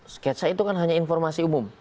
sketsa itu kan hanya informasi umum